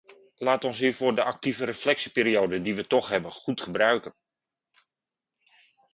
Laat ons hiervoor de actieve reflectieperiode die we toch hebben goed gebruiken.